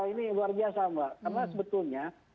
ini luar biasa mbak karena sebetulnya